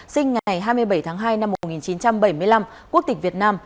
sinh ngày hai mươi bảy tháng hai năm một nghìn chín trăm bảy mươi năm quốc tịch việt nam